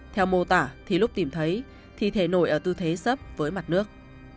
theo mô tả thì lúc tìm thấy thi thể nổi ở tư thế sấp với mặt nước